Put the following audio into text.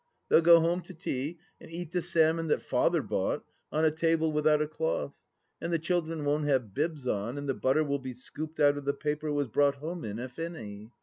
They'll go home to tea, and eat the salmon that " Father " bought, on a table without a cloth, and the children won't have l3ibs on, and the butter will be scooped out of the paper it was brought home in, if any.